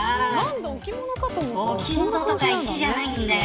置物とか石じゃないんだよ。